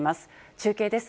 中継です。